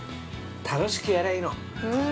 楽しくやりゃあいいの。